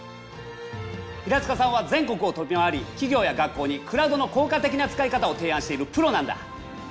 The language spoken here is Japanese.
平塚さんは全国を飛び回り企業や学校にクラウドの効果的な使い方を提案しているプロなんだ。